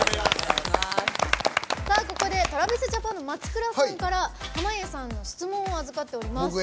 ここでＴｒａｖｉｓＪａｐａｎの松倉さんから濱家さんへの質問を預かっています。